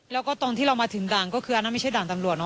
แล้วก็ตอนที่เรามาถึงด่านก็คืออันนั้นไม่ใช่ด่านตำรวจเนอ